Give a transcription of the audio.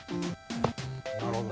なるほど。